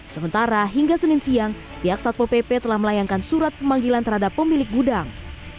sementara hingga senin siang pihak satpol pp telah melayangkan surat pemanggilan terhadap pemilik gudang